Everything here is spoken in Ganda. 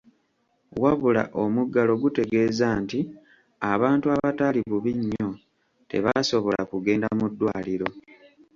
Wabula omuggalo gutegeeza nti abantu abataali bubi nnyo tebaasobola kugenda mu ddwaliro.